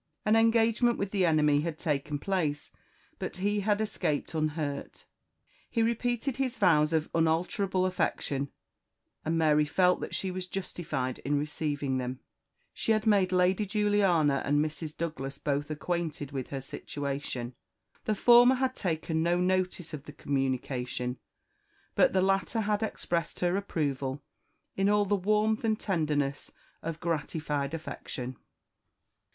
An engagement with the enemy had taken place, but he had escaped unhurt. He repeated his vows of unalterable affection; and Mary felt that she was justified in receiving them. She had made Lady Juliana and Mrs. Douglas both acquainted with her situation. The former had taken no notice of the communication, but the latter had expressed her approval in all the warmth and tenderness of gratified affection.